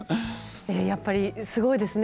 やっぱり、すごいですね